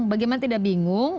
bagaimana tidak bingung